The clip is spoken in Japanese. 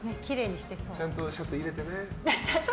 ちゃんとシャツ入れてね。